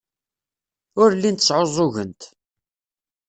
Ur llint sɛuẓẓugent.